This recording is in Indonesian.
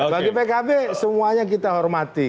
bagi pkb semuanya kita hormati